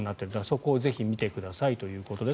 そこをぜひ見てくださいということです。